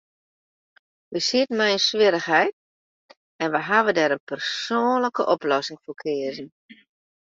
Wy sieten mei in swierrichheid, en wy hawwe dêr in persoanlike oplossing foar keazen.